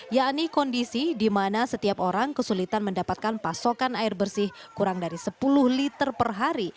yakni kondisi di mana setiap orang kesulitan mendapatkan pasokan air bersih kurang dari sepuluh liter per hari